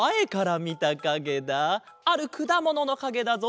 あるくだもののかげだぞ。